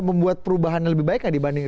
membuat perubahan yang lebih baik gak dibanding